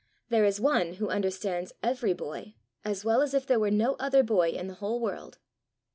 There is one who understands every boy as well as if there were no other boy in the whole world."